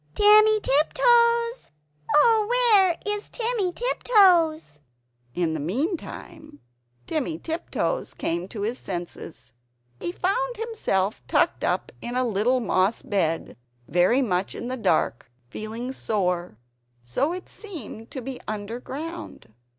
Timmy Tip toes! Oh, where is Timmy Tiptoes?" In the meantime Timmy Tiptoes came to his senses. He found himself tucked up in a little moss bed, very much in the dark, feeling sore; it seemed to be under ground.